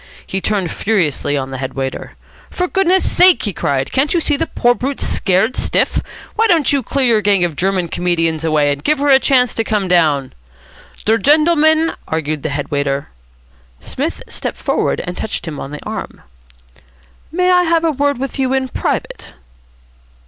He turned furiously on the head waiter. "For goodness' sake," he cried, "can't you see the poor brute's scared stiff? Why don't you clear your gang of German comedians away, and give her a chance to come down?" "Der gendleman " argued the head waiter. Psmith stepped forward and touched him on the arm. "May I have a word with you in private?"